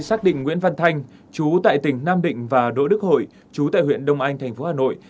xác định nguyễn văn thanh chú tại tỉnh nam định và đỗ đức hội chú tại huyện đông anh thành phố hà nội